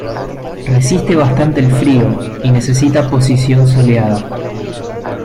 Resiste bastante el frío, y necesita posición soleada.